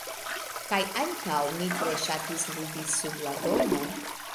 Kaj ankaŭ, ni tre ŝatis ludi sub la domo.